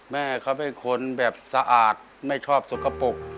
แม่เขาเป็นคนแบบสะอาดไม่ชอบสกปรก